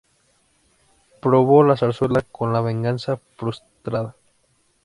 Probó la zarzuela con "La venganza frustrada".